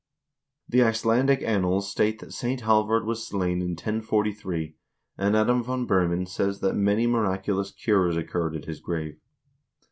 The Icelandic annals state that St. Halvard was slain in 1043, and Adam v. Bremen says that many miraculous cures occurred at his grave.